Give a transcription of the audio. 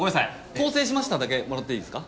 「更生しました」だけもらっていいですか？